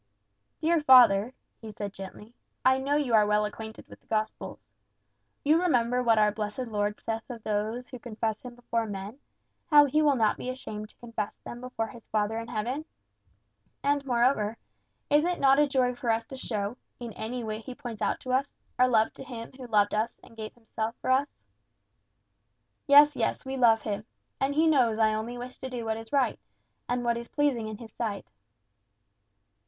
"Dear father," he said gently, "I know you are well acquainted with the gospels. You remember what our blessed Lord saith of those who confess him before men, how he will not be ashamed to confess them before his Father in heaven? And, moreover, is it not a joy for us to show, in any way he points out to us, our love to him who loved us and gave himself for us?" "Yes, yes, we love him. And he knows I only wish to do what is right, and what is pleasing in his sight."